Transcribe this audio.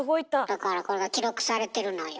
だからこれが記録されてるのよ。